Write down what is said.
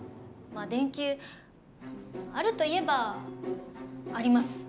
電球あるといえばあります。